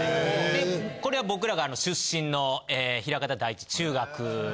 これは僕らが出身の枚方第一中学に。